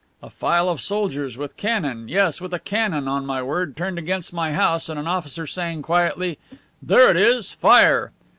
A file of soldiers with cannon, yes, with a cannon, on my word, turned against my house and an officer saying quietly, 'there it is. Fire!